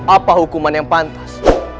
apa hukuman yang pantas